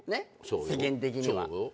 世間的には。